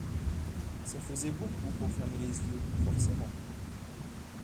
Ça faisait beaucoup pour fermer les yeux, forcément.